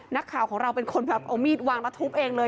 นักข่าวของเราเป็นคนแบบเอามีดวางแล้วทุบเองเลย